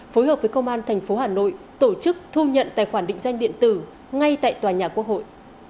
phối hợp với công an tp hà nội tổ chức thu nhận tài khoản định danh điện tử ngay tại tòa nhà quốc hội